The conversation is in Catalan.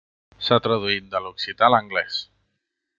S'ha traduït de l'occità a l'anglès.